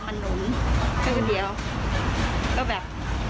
ก็แบบ